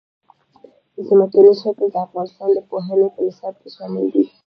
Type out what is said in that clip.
ځمکنی شکل د افغانستان د پوهنې په نصاب کې شامل دي.